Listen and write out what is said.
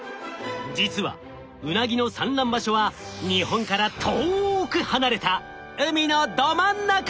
実はウナギの産卵場所は日本から遠く離れた海のど真ん中！